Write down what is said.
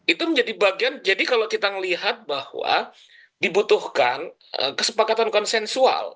itu menjadi bagian jadi kalau kita melihat bahwa dibutuhkan kesepakatan konsensual